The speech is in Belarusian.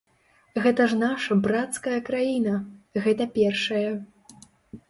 Гэта ж наша брацкая краіна, гэта першае.